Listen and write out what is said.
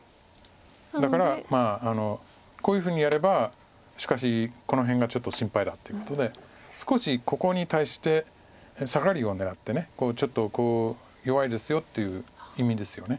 だからまあこういうふうにやればしかしこの辺がちょっと心配だってことで少しここに対してサガリを狙ってちょっとこう弱いですよっていう意味ですよね。